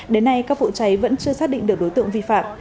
đến nay các vụ cháy vẫn chưa xác định được đối tượng vi phạm